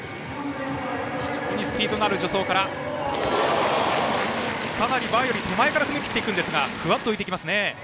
スピードのある助走からかなりバーより手前から踏み切っていくんですがふわっと浮いていきますね。